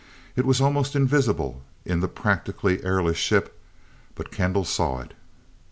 It was almost invisible in the practically airless ship, but Kendall saw it.